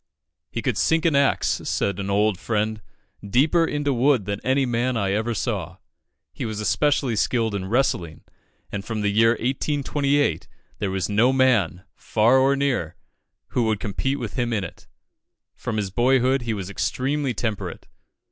"He could sink an axe," said an old friend, "deeper into wood than any man I ever saw." He was especially skilled in wrestling, and from the year 1828 there was no man, far or near, who would compete with him in it. From his boyhood, he was extremely temperate.